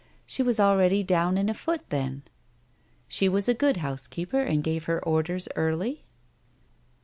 She was already down and afoot, then; she was a good house keeper, and gave her orders early?